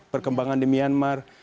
perkembangan di myanmar